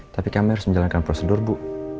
tapi kami harus menjalankan prosedur bu